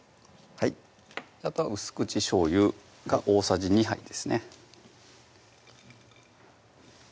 はいあとは薄口しょうゆが大さじ２杯ですね